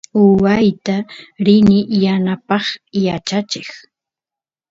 waayta rini yanapaq yachacheq